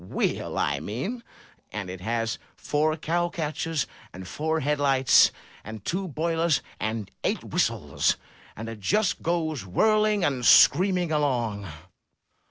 "Wheel, I mean. And it has four cow catchers, and four head lights, and two boilers, and eight whistles, and it just goes whirling and screaming along.